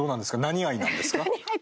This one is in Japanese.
何愛なんですか？